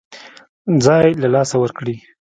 ځای له لاسه ورکړي.